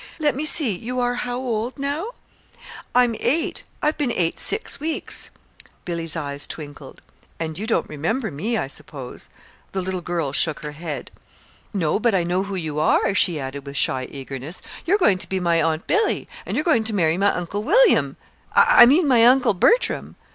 Let me see, you are how old now?" "I'm eight. I've been eight six weeks." Billy's eyes twinkled. "And you don't remember me, I suppose." The little girl shook her head. "No; but I know who you are," she added, with shy eagerness. "You're going to be my Aunt Billy, and you're going to marry my Uncle William I mean, my Uncle Bertram."